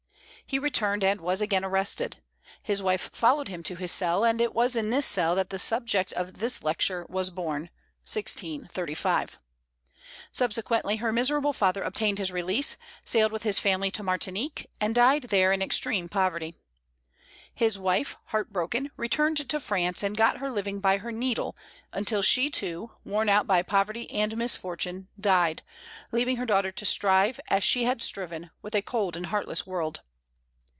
He returned, and was again arrested. His wife followed him to his cell; and it was in this cell that the subject of this lecture was born (1635). Subsequently her miserable father obtained his release, sailed with his family to Martinique, and died there in extreme poverty. His wife, heart broken, returned to France, and got her living by her needle, until she too, worn out by poverty and misfortune, died, leaving her daughter to strive, as she had striven, with a cold and heartless world.